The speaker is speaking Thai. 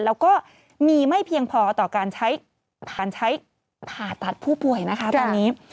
แล้วก็มีไม่เพียงพอต่อการใช้ฐานใช้ผ่าตัดผู้ป่วยนะคะตอนนี้